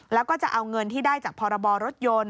แล้วก็จะเอาเงินที่ได้จากพรบรถยนต์